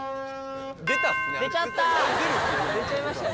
出ちゃった！